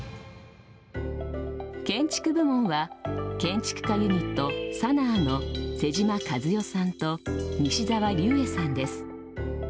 建築部門は建築家ユニットＳＡＮＡＡの妹島和世さんと西沢立衛さんです。